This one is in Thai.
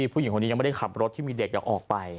ผู้หญิงคนนี้ยังไม่ได้ขับรถที่มีเด็กออกไป